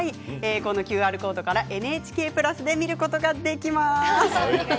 このＱＲコードからＮＨＫプラスで見ることができます。